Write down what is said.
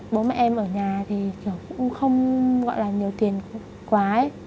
bố mẹ em ở nhà thì kiểu cũng không gọi là nhiều tiền quá